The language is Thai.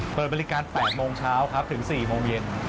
เปิดบริการ๘โมงเช้าครับถึง๔โมงเย็น